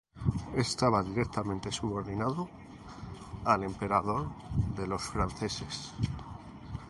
Estaba directamente subordinado al Emperador de los Franceses.